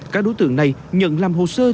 các đối tượng này nhận làm hồ sơ